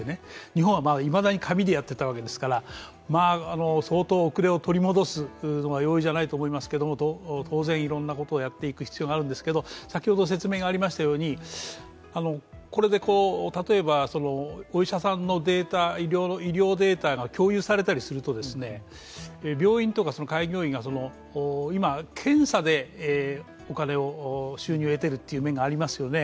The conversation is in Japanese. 日本はいまだに紙でやっていたわけですから、相当、遅れを取り戻すのが容易じゃないと思いますけど当然、いろんなことをやっていく必要があるんですけど、これで例えば、お医者さんのデータ医療データが共有されたりすると、病院とか開業医が検査でお金を収入を得てるっていう面がありますよね